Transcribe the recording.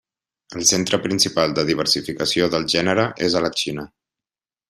El centre principal de diversificació del gènere és a la Xina.